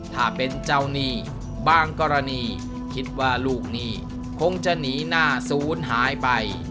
ถ้าเป็นเจ้าหนี้บางกรณีคิดว่าลูกหนี้คงจะหนีหน้าศูนย์หายไป